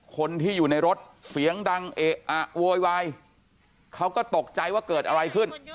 คนที่อยู่ในรถเสียงดังเอะอะโวยวายเขาก็ตกใจว่าเกิดอะไรขึ้น